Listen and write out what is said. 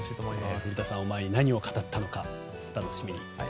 古田さんを前に何を語ったのかお楽しみに。